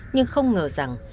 nhưng không ngờ rằng